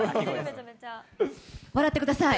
笑ってください。